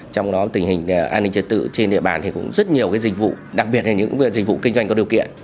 trong đó tình hình an ninh trật tự trên địa bàn thì cũng rất nhiều dịch vụ đặc biệt là những dịch vụ kinh doanh có điều kiện